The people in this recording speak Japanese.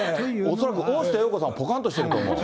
恐らく、大下容子さん、ぽかんとしてると思います。